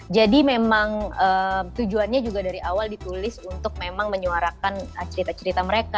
jadi memang tujuannya juga dari awal ditulis untuk memang menyuarakan cerita cerita mereka